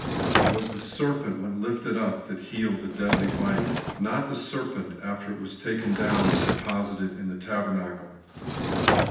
It was the serpent when uplifted that healed the deadly bite, not the serpent after it was taken down and deposited in the tabernacle.